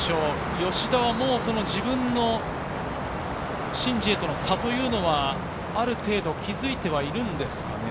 吉田はもう、自分のシン・ジエとの差はある程度気づいてはいるんですかね？